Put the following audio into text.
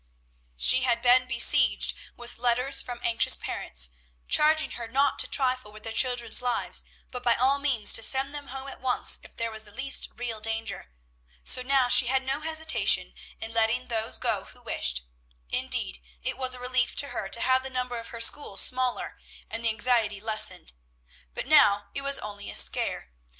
She had been besieged with letters from anxious parents, charging her not to trifle with their children's lives, but by all means to send them home at once if there was the least real danger; so now she had no hesitation in letting those go who wished, indeed it was a relief to her to have the number of her school smaller, and the anxiety lessened; but now it was only a scare.